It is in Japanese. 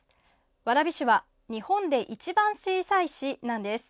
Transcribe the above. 蕨市は日本で一番小さい市なんです。